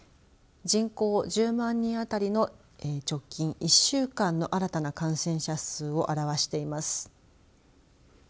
人口１０万人あたりの直近１週間の新たな感染者数を表しています。